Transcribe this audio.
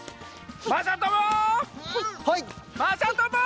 まさとも！